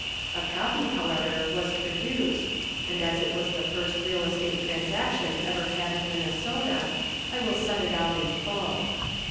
A copy, however, was produced, and as it was the first real estate transaction ever had in Minnesota, I will set it out in full.